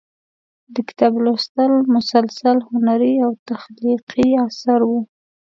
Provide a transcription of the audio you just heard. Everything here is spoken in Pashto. د کتاب لوست مسلسل هنري او تخلیقي اثر و.